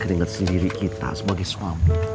dengan sendiri kita sebagai suami